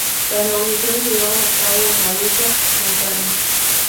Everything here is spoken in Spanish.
Las negociaciones se llevaron a cabo en Arusha, Tanzania.